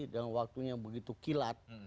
dalam waktunya begitu kilat